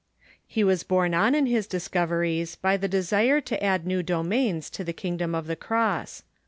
He was borne on in his discov eries by the desire to add new domains to the kingdom of the Cross.